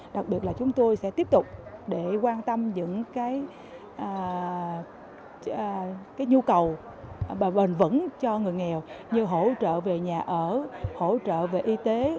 đặc biệt là chúng tôi sẽ tiếp tục để quan tâm những cái nhu cầu bền vững cho người nghèo như hỗ trợ về nhà ở hỗ trợ về y tế